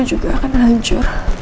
tunggu mas tunggu